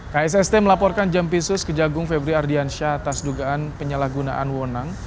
ksst melaporkan jampinsus kejaksaan agung febri ardiansyah atas dugaan penyalahgunaan wonang